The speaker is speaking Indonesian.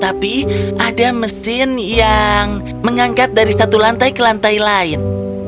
tapi ada mesin yang mengangkat dari satu lantai ke lantai lain